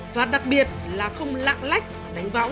và đặc biệt là không lạng lách đánh võng